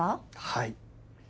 はい。